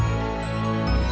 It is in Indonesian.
terus besok puasa